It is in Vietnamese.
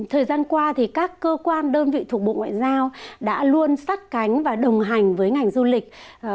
thời gian qua thì các cơ quan đơn vị thuộc bộ ngoại giao đã luôn sát cánh và đồng hành với ngành du lịch